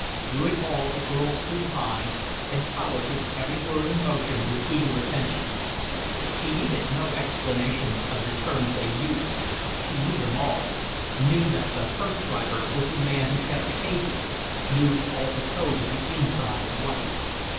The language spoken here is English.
Through it all the girl stood by and followed his every word and motion with eager attention. She needed no explanation of the terms they used. She knew them all, knew that the "hearse driver" was the man who kept the cases, knew all the code of the "inside life."